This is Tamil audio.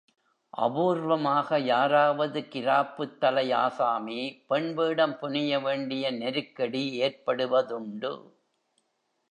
அபூர்வமாக யாராவது கிராப்புத் தலை ஆசாமி, பெண் வேடம் புனைய வேண்டிய நெருக்கடி ஏற்படுவதுண்டு.